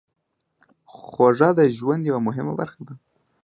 خوږه د ژوند یوه مهمه برخه ده.